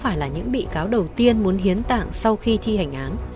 phải là những bị cáo đầu tiên muốn hiến tạng sau khi thi hành án